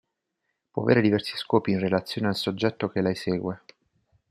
Può avere diversi scopi in relazione al soggetto che la esegue.